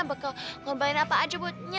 bakal ngorbankan apa aja buatnya